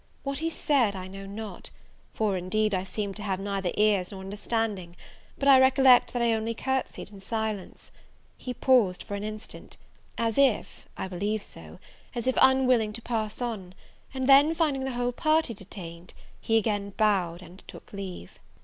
What he said I know not; for indeed, I seemed to have neither ears nor understanding; but I recollect that I only courtsied in silence. He paused for an instant, as if I believe so, as if unwilling to pass on; and then, finding the whole party detained, he again bowed, and took leave.